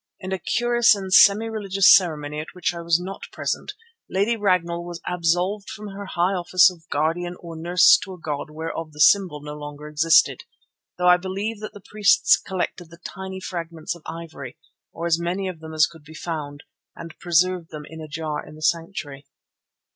In a curious and semi religious ceremony, at which I was not present, Lady Ragnall was absolved from her high office of Guardian or Nurse to a god whereof the symbol no longer existed, though I believe that the priests collected the tiny fragments of ivory, or as many of them as could be found, and preserved them in a jar in the sanctuary.